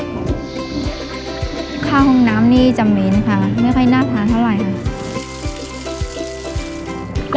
ข้าวห้องน้ำนี่จะหมินค่ะไม่ค่อยน่ากล้าเท่าไหร่ค่ะ